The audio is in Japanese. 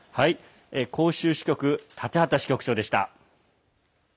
広州支局建畠支局長でした。